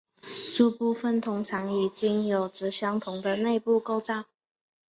这部分通常都与茎有着相同的内部构造。